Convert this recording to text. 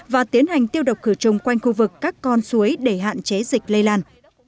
và tiến hành tiêu độc khử trùng quanh khu vực các con suối để hạn chế dịch lây lan